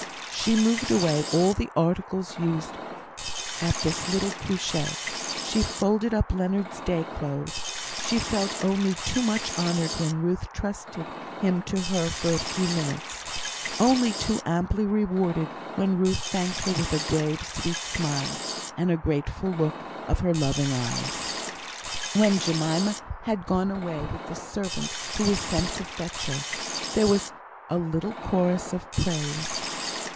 She moved away all the articles used at this little coucher; she folded up Leonard's day clothes; she felt only too much honoured when Ruth trusted him to her for a few minutes only too amply rewarded when Ruth thanked her with a grave, sweet smile, and a grateful look of her loving eyes. When Jemima had gone away with the servant who was sent to fetch her, there was a little chorus of praise.